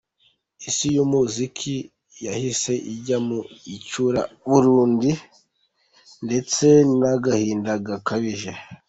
Isi y’umuziki yahise ijya mu icuraburindi ndetse n’agahinda gakabije.